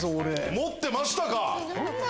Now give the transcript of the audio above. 持ってました。